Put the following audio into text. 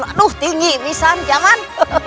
aduh tinggi bisa jangan